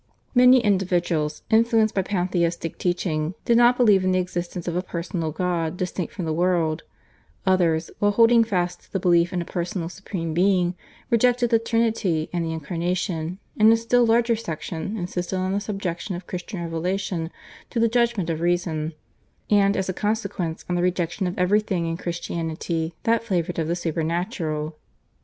Many individuals, influenced by pantheistic teaching, did not believe in the existence of a personal God distinct from the world; others, while holding fast to the belief in a personal supreme Being, rejected the Trinity and the Incarnation, and a still larger section insisted on the subjection of Christian revelation to the judgment of reason, and as a consequence on the rejection of everything in Christianity that flavoured of the supernatural.